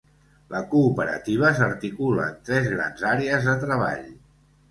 La cooperativa s'articula en tres grans àrees de treball.